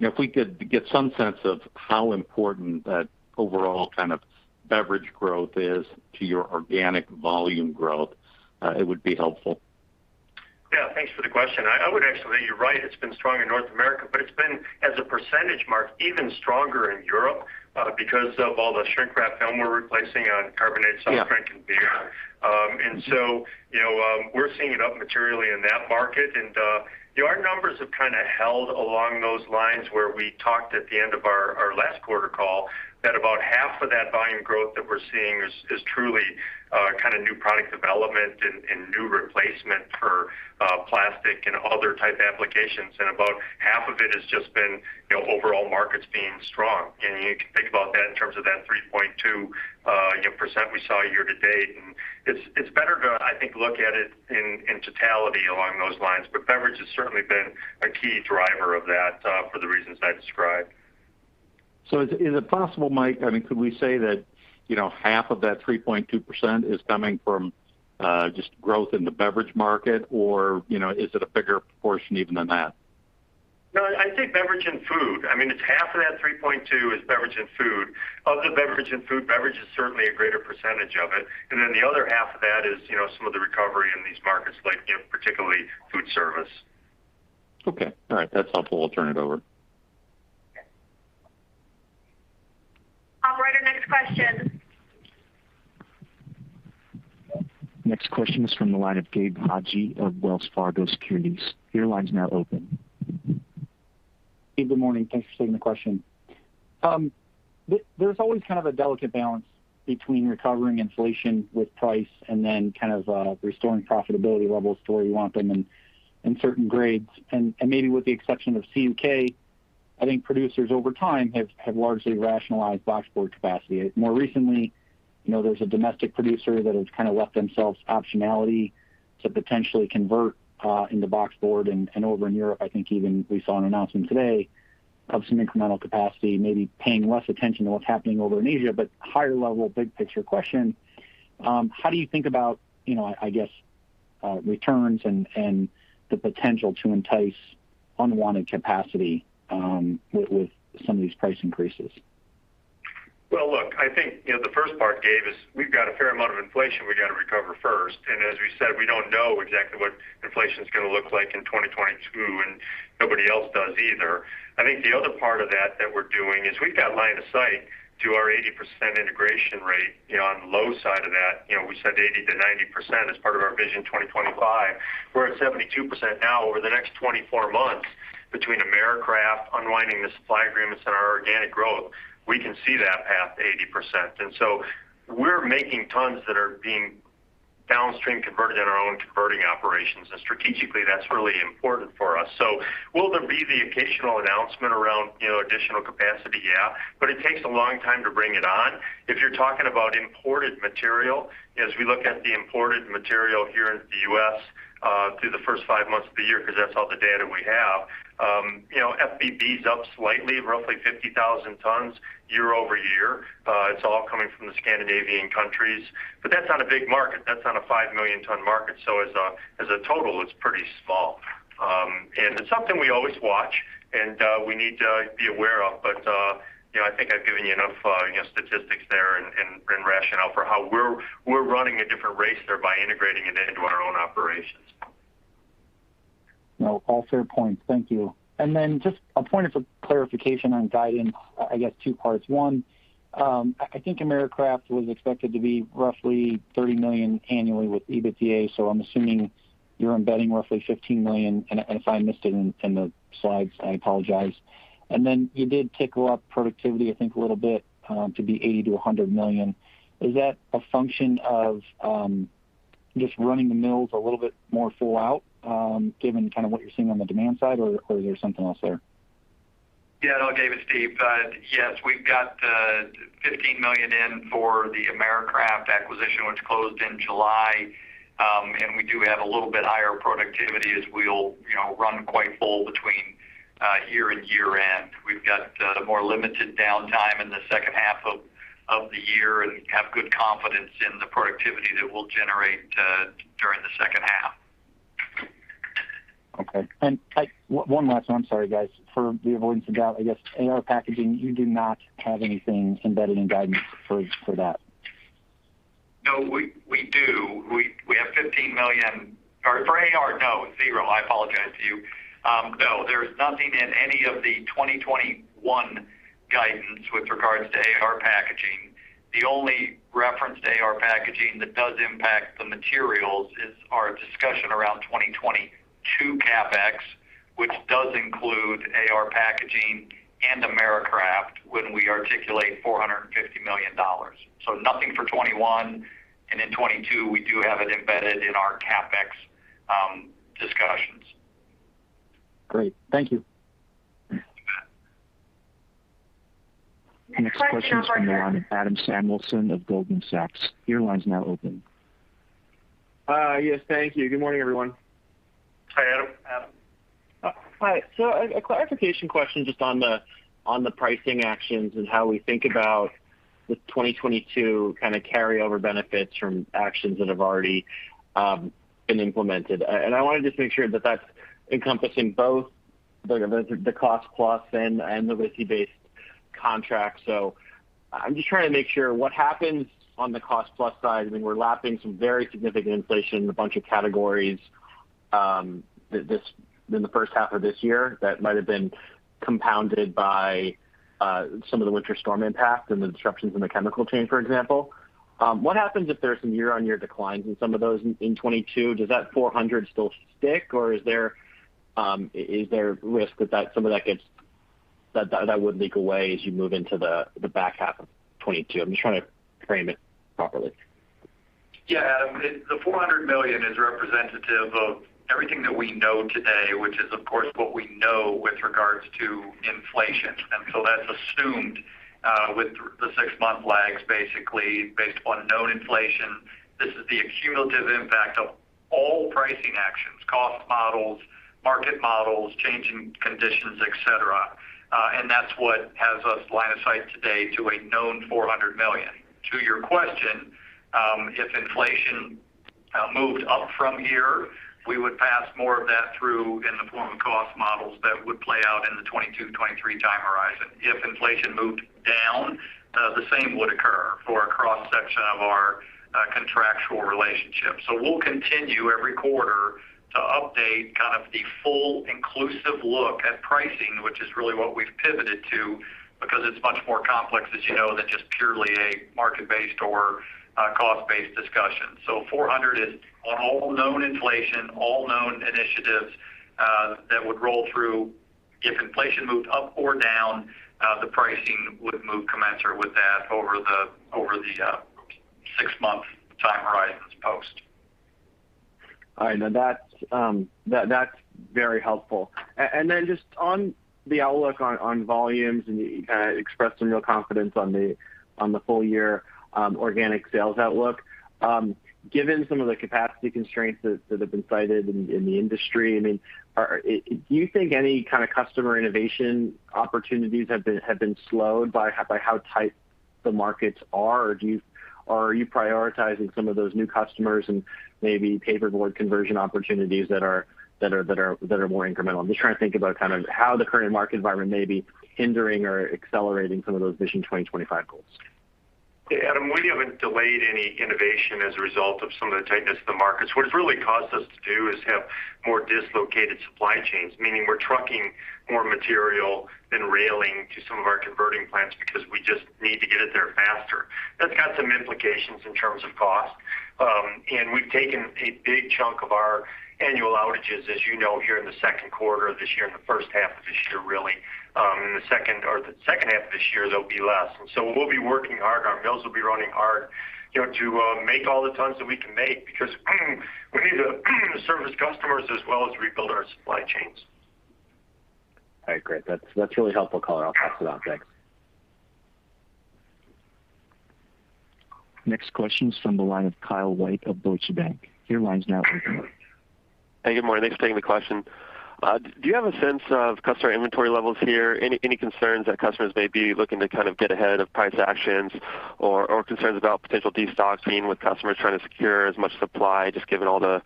if we could get some sense of how important that overall kind of beverage growth is to your organic volume growth, it would be helpful. Yeah. Thanks for the question. You're right, it's been strong in North America, but it's been as a percentage mark, even stronger in Europe because of all the shrink wrap film we're replacing on carbonated soft drink and beer. Yeah. We're seeing it up materially in that market. Our numbers have kind of held along those lines where we talked at the end of our last quarter call, that about half of that volume growth that we're seeing is truly kind of new product development and new replacement for plastic and other type applications, and about half of it has just been overall markets being strong. You can think about that in terms of that 3.2% we saw year to date. It's better to, I think, look at it in totality along those lines. Beverage has certainly been a key driver of that for the reasons I described. Is it possible, Mike, I mean, could we say that half of that 3.2% is coming from just growth in the beverage market, or is it a bigger portion even than that? I think beverage and food. I mean, it's half of that 3.2 is beverage and food. Of the beverage and food, beverage is certainly a greater percentage of it. The other half of that is some of the recovery in these markets, like particularly food service. Okay. All right. That's helpful. I'll turn it over. Operator, next question. Next question is from the line of Gabe Hajde of Wells Fargo Securities. Your line is now open. Gabe, good morning. Thanks for taking the question. There's always kind of a delicate balance between recovering inflation with price and restoring profitability levels to where you want them in certain grades. Maybe with the exception of CUK, I think producers over time have largely rationalized boxboard capacity. More recently, there's a domestic producer that has kind of left themselves optionality to potentially convert into boxboard. Over in Europe, I think even we saw an announcement today of some incremental capacity, maybe paying less attention to what's happening over in Asia. Higher level, big picture question, how do you think about returns and the potential to entice unwanted capacity with some of these price increases? Well, look, I think the first part, Gabe, is we've got a fair amount of inflation we got to recover first. As we said, we don't know exactly what inflation is going to look like in 2022. Nobody else does either. I think the other part of that that we're doing is we've got line of sight to our 80% integration rate. On the low side of that, we said 80%-90% as part of our Vision 2025. We're at 72% now. Over the next 24 months, between Americraft, unwinding the supply agreements, and our organic growth, we can see that path to 80%. We're making tons that are being downstream converted in our own converting operations, and strategically, that's really important for us. Will there be the occasional announcement around additional capacity? Yeah, it takes a long time to bring it on. If you're talking about imported material, as we look at the imported material here in the U.S. through the first five months of the year, because that's all the data we have, FBB is up slightly, roughly 50,000 tons year-over-year. It's all coming from the Scandinavian countries. That's not a big market. That's not a 5 million ton market. As a total, it's pretty small. It's something we always watch and we need to be aware of. I think I've given you enough statistics there and rationale for how we're running a different race there by integrating it into our own operations. No, all fair points. Thank you. Just a point of clarification on guidance, I guess two parts. One, I think Americraft Carton was expected to be roughly $30 million annually with EBITDA, so I'm assuming you're embedding roughly $15 million. If I missed it in the slides, I apologize. You did tickle up productivity, I think, a little bit, to be $80 million-$100 million. Is that a function of just running the mills a little bit more full out, given what you're seeing on the demand side, or is there something else there? Yeah, no, Gabe Gabriel, Steve. Yes, we've got the $15 million in for the Americraft acquisition, which closed in July. We do have a little bit higher productivity as we'll run quite full between year and year-end. We've got the more limited downtime in the second half of the year and have good confidence in the productivity that we'll generate during the second half. Okay. One last one. I'm sorry, guys. For the avoidance of doubt, I guess AR Packaging, you do not have anything embedded in guidance for that? No, we do. Or for AR Packaging, no, zero. I apologize to you. There's nothing in any of the 2021 guidance with regards to AR Packaging. The only reference to AR Packaging that does impact the materials is our discussion around 2022 CapEx, which does include AR Packaging and Americraft when we articulate $450 million. Nothing for 2021, and in 2022, we do have it embedded in our CapEx discussions. Great. Thank you. You bet. Next question from the line of Adam Samuelson of Goldman Sachs. Your line's now open. Yes, thank you. Good morning, everyone. Hi, Adam. Adam. Hi. A clarification question just on the pricing actions and how we think about the 2022 carryover benefits from actions that have already been implemented. I want to just make sure that that's encompassing both the cost plus and the RISI-based contract. I'm just trying to make sure what happens on the cost plus side. We're lapping some very significant inflation in a bunch of categories in the first half of this year that might have been compounded by some of the winter storm impact and the disruptions in the chemical chain, for example. What happens if there's some year-over-year declines in some of those in 2022? Does that $400 still stick, or is there risk that some of that That would leak away as you move into the back half of 2022? I'm just trying to frame it properly. Yeah, Adam. The $400 million is representative of everything that we know today, which is, of course, what we know with regards to inflation. That's assumed with the six month lags basically based upon known inflation. This is the cumulative impact of all pricing actions, cost models, market models, changing conditions, et cetera. That's what has us line of sight today to a known $400 million. To your question, if inflation moved up from here, we would pass more of that through in the form of cost models that would play out in the 2022, 2023 time horizon. If inflation moved down, the same would occur for a cross-section of our contractual relationships. We'll continue every quarter to update the full inclusive look at pricing, which is really what we've pivoted to because it's much more complex, as you know, than just purely a market-based or cost-based discussion. 400 is on all known inflation, all known initiatives that would roll through. If inflation moved up or down, the pricing would move commensurate with that over the six-month time horizons post. All right. No, that's very helpful. Just on the outlook on volumes, you expressed some real confidence on the full year organic sales outlook. Given some of the capacity constraints that have been cited in the industry, do you think any kind of customer innovation opportunities have been slowed by how tight the markets are? Are you prioritizing some of those new customers and maybe paperboard conversion opportunities that are more incremental? I'm just trying to think about how the current market environment may be hindering or accelerating some of those Vision 2025 goals. Adam, we haven't delayed any innovation as a result of some of the tightness of the markets. What it's really caused us to do is have more dislocated supply chains, meaning we're trucking more material than railing to some of our converting plants because we just need to get it there faster. That's got some implications in terms of cost. We've taken a big chunk of our annual outages, as you know, here in the Q2 of this year, in the first half of this year, really. In the second half of this year, there'll be less. We'll be working hard. Our mills will be running hard to make all the tons that we can make because we need to service customers as well as rebuild our supply chains. All right, great. That's really helpful color. I'll pass it on. Thanks. Next question is from the line of Kyle White of Deutsche Bank. Your line's now open. Hey, good morning. Thanks for taking the question. Do you have a sense of customer inventory levels here? Any concerns that customers may be looking to kind of get ahead of price actions or concerns about potential destocking with customers trying to secure as much supply, just given all the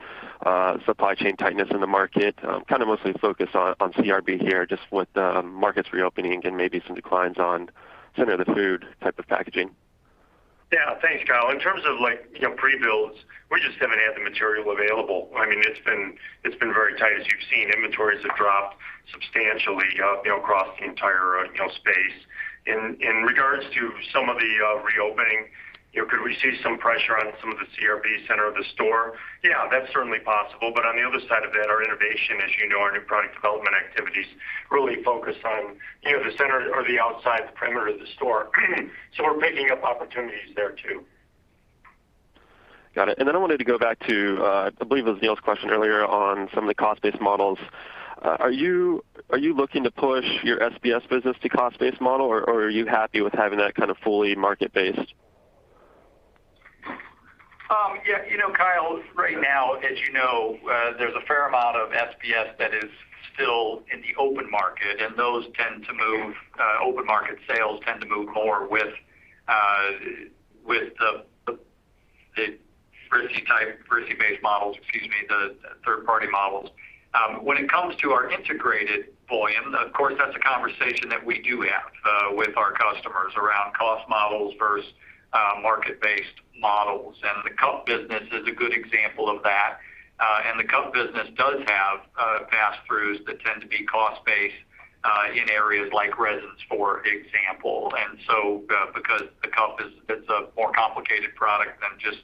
supply chain tightness in the market? Kind of mostly focused on CRB here, just with the markets reopening and maybe some declines on center of the food type of packaging. Yeah. Thanks, Kyle. In terms of pre-builds, we just haven't had the material available. It's been very tight as you've seen. Inventories have dropped substantially across the entire space. In regards to some of the reopening, could we see some pressure on some of the CRB center of the store? Yeah, that's certainly possible. On the other side of that, our innovation, as you know, our new product development activities really focus on the center or the outside the perimeter of the store. We're picking up opportunities there too. Got it. I wanted to go back to, I believe it was Neel's question earlier on some of the cost-based models. Are you looking to push your SBS business to cost-based model, or are you happy with having that kind of fully market-based? Yeah. Kyle, right now, as you know, there's a fair amount of SBS that is still in the open market, and open market sales tend to move more with the RISI-based models. Excuse me, the third-party models. When it comes to our integrated volume, of course, that's a conversation that we do have with our customers around cost models versus market-based models. The cup business is a good example of that. The cup business does have pass-throughs that tend to be cost-based, in areas like resins, for example. Because the cup is a more complicated product than just,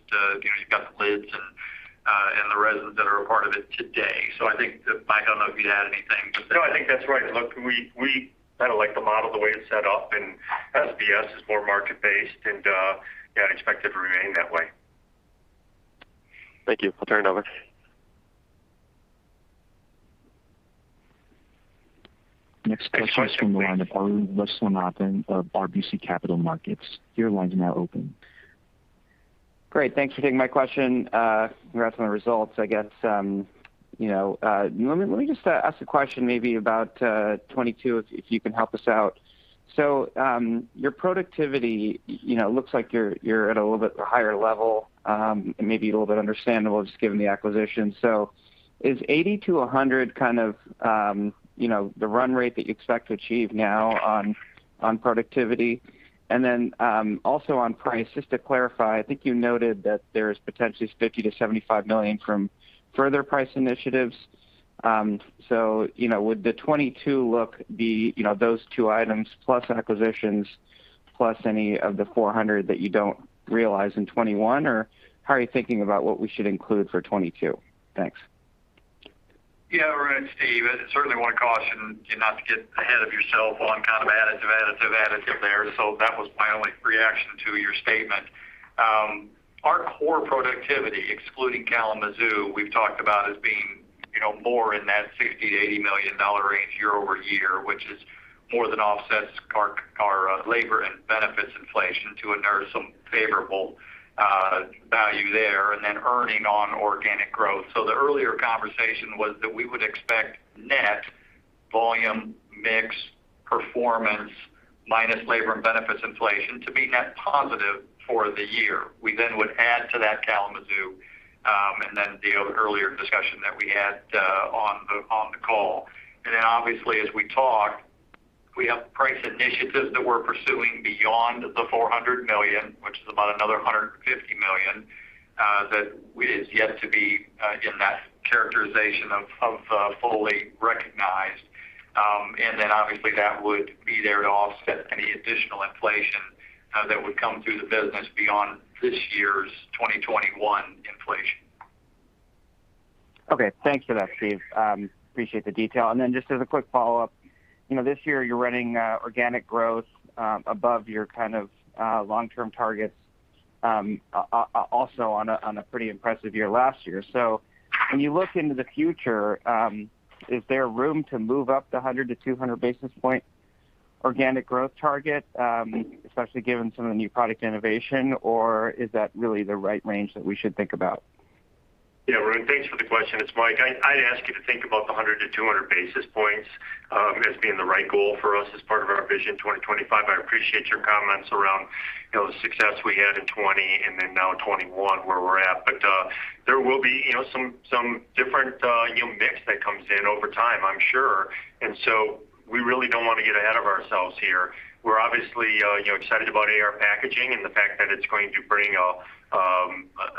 you've got the lids and the resins that are a part of it today. I think, Mike, I don't know if you'd add anything. No, I think that's right. Look, we kind of like the model the way it's set up, and SBS is more market-based and I expect it to remain that way. Thank you. I'll turn it over. Next question is from the line of Arun Viswanathan of RBC Capital Markets. Your line is now open. Great. Thanks for taking my question. Congrats on the results. I guess, let me just ask a question maybe about 2022 if you can help us out. Your productivity, looks like you're at a little bit higher level, and maybe a little bit understandable just given the acquisition. Is 80-100 kind of the run rate that you expect to achieve now on productivity? Also on price, just to clarify, I think you noted that there's potentially $50 million-$75 million from further price initiatives. Would the 2022 look be, those two items plus acquisitions, plus any of the $400 million that you don't realize in 2021? How are you thinking about what we should include for 2022? Thanks. Arun, Steve. Certainly want to caution you not to get ahead of yourself on kind of additive there. That was my only reaction to your statement. Our core productivity, excluding Kalamazoo, we've talked about as being more in that $60 million-$80 million range year-over-year, which is more than offsets our labor and benefits inflation to enter some favorable value there, and then earning on organic growth. The earlier conversation was that we would expect net volume mix performance minus labor and benefits inflation to be net positive for the year. We then would add to that Kalamazoo, and then the earlier discussion that we had on the call. Obviously as we talked, we have price initiatives that we're pursuing beyond the $400 million, which is about another $150 million, that is yet to be in that characterization of fully recognized. Obviously that would be there to offset any additional inflation that would come through the business beyond this year's 2021 inflation. Okay. Thanks for that, Steve. Appreciate the detail. Just as a quick follow-up, this year you're running organic growth above your kind of long-term targets, also on a pretty impressive year last year. When you look into the future, is there room to move up the 100-200 basis point organic growth target, especially given some of the new product innovation? Is that really the right range that we should think about? Yeah, Arun, thanks for the question. It's Mike. I'd ask you to think about the 100-200 basis points as being the right goal for us as part of our Vision 2025. I appreciate your comments around the success we had in 2020 and then now 2021 where we're at. There will be some different new mix that comes in over time, I'm sure. We really don't want to get ahead of ourselves here. We're obviously excited about AR Packaging and the fact that it's going to bring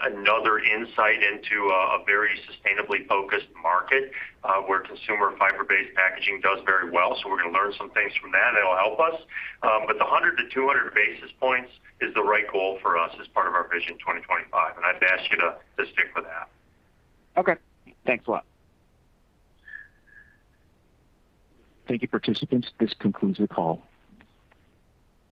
another insight into a very sustainably focused market, where consumer fiber-based packaging does very well. We're going to learn some things from that and it'll help us. The 100-200 basis points is the right goal for us as part of our Vision 2025. I'd ask you to stick with that. Okay. Thanks a lot. Thank you, participants. This concludes the call.